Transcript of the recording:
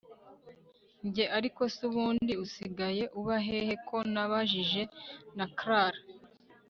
Njye ariko se ubundi usigaye uba he he ko nabajije na Clara